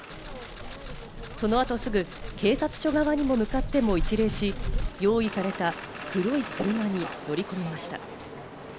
その後すぐ警察署側にも向かっても一礼し、用意された黒い車に乗り込みました。